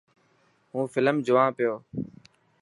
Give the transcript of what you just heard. هون فلم جوان پيو.